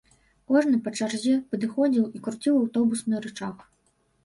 Кожны па чарзе падыходзіў і круціў аўтобусны рычаг.